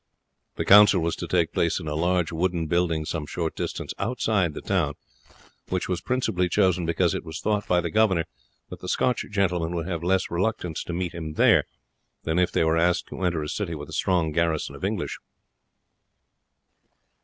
The council was to take place in a large wooden building some short distance outside the town, which was principally chosen because it was thought by the governor that the Scotch gentlemen would have less reluctance to meet him there than if they were asked to enter a city with a strong garrison of English.